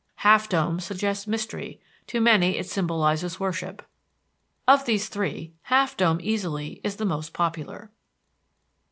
Half Dome suggests mystery; to many it symbolizes worship. Of these three, Half Dome easily is the most popular.